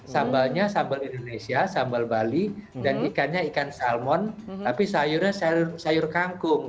sambalnya sambal indonesia sambal bali dan ikannya ikan salmon tapi sayurnya sayur kangkung